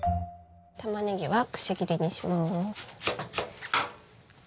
たまねぎはくし切りにします。